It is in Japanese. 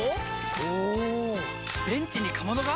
おベンチにかまどが！？